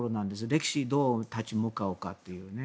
歴史にどう立ち向かうかというね。